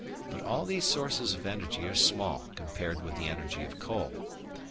But all these sources of energy are small compared with the energy of coal.